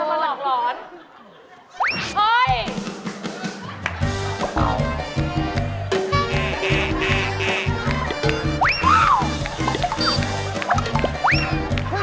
อ้าวคะโอ้โฮนี่ละ